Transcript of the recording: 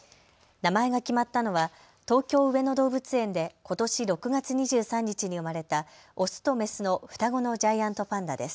名前が決まったのは東京、上野動物園でことし６月２３日に生まれたオスとメスの双子のジャイアントパンダです。